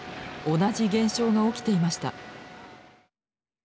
同じ現象が起きていました。